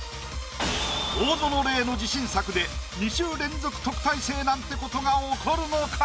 大園玲の自信作で２週連続特待生なんて事が起こるのか⁉